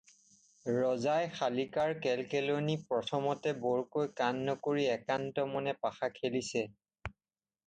ৰজাই শালিকাৰ কেল্কেলনি প্ৰথমতে বৰকৈ কাণ নকৰি একান্তমনে পাশা খেলিছে।